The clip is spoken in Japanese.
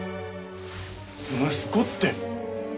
息子って。